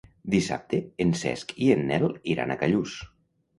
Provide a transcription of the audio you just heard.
Dissabte en Cesc i en Nel iran a Callús.